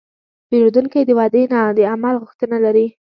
پیرودونکی د وعدې نه، د عمل غوښتنه لري.